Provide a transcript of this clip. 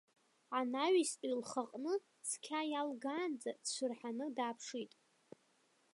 Анаҩстәи лхаҟны цқьа иаалгаанӡа дцәырҳаны дааԥшит.